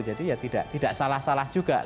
jadi tidak salah salah juga